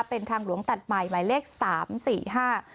เป็นทางหลวงตัดใหม่หมายเลขสามสี่ห้า